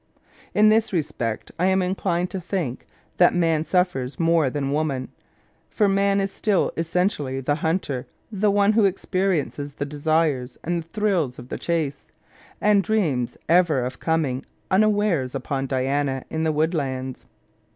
In this respect I am inclined to think that man sufFers more than woman. For man is still essentially the hunter, the one who experiences the desires and thrills of the chase, and dreams ever of comino un awares upon Diana in the woodlands.